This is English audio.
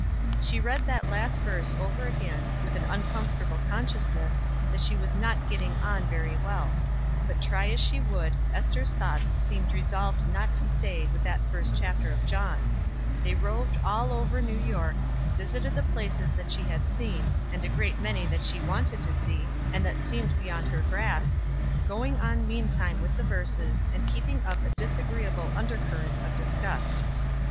She read that last verse over again, with an uncomfortable consciousness that she was not getting on very well; but try as she would, Ester's thoughts seemed resolved not to stay with that first chapter of John they roved all over New York, visited all the places that she had seen, and a great many that she wanted to see, and that seemed beyond her grasp, going on meantime with the verses, and keeping up a disagreeable undercurrent of disgust.